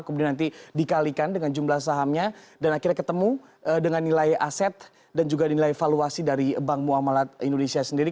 kemudian nanti dikalikan dengan jumlah sahamnya dan akhirnya ketemu dengan nilai aset dan juga nilai valuasi dari bank muamalat indonesia sendiri